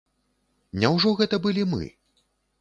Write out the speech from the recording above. Няўжо гэта былі мы?